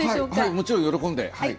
もちろん喜んではい。